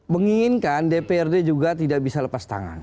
menginginkan dprd juga tidak bisa lepas tangan